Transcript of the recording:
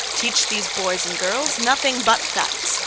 Teach these boys and girls nothing but Facts.